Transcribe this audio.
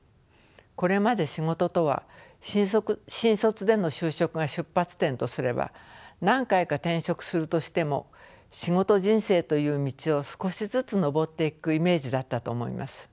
これまで仕事とは新卒での就職が出発点とすれば何回か転職するとしても仕事人生という道を少しずつのぼっていくイメージだったと思います。